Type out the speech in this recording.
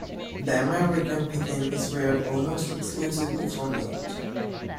The American Pekin is reared almost exclusively for meat.